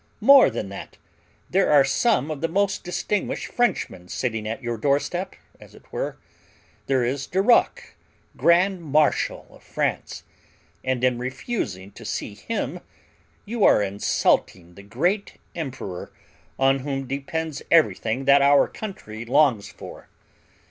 More than that, there are some of the most distinguished Frenchmen sitting at your doorstep, as it were. There is Duroc, grand marshal of France, and in refusing to see him you are insulting the great emperor on whom depends everything that our country longs for.